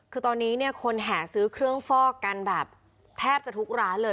คือตอนนี้เนี่ยคนแห่ซื้อเครื่องฟอกกันแบบแทบจะทุกร้านเลย